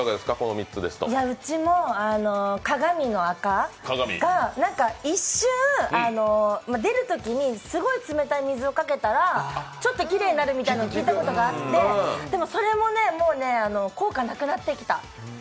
うちも鏡のあかが一瞬、出るときにすごい冷たい水をかけたら、ちょっときれいになるみたいなの聞いたことがあって、それも効果なくなってきた。